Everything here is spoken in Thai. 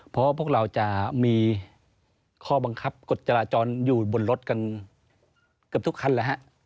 เพราะพวกเราจะมีข้อบังคับกฎจราจรอยู่บนรถกันเกือบทุกคันแล้วฮะ